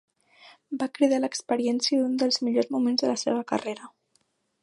Va cridar a l'experiència d'un dels millors moments de la seva carrera.